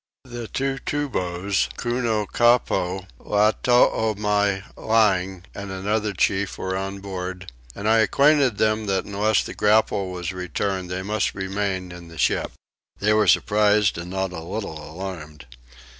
The two Tubows, Kunocappo, Latoomy lange, and another chief, were on board, and I acquainted them that unless the grapnel was returned they must remain in the ship. They were surprised and not a little alarmed.